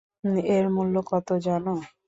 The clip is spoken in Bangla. এর মূল্য কত জানো?